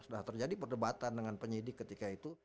sudah terjadi perdebatan dengan penyidik ketika itu